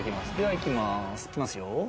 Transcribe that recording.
いきますよ。